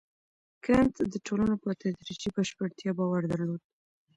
کنت د ټولنو په تدریجي بشپړتیا باور درلود.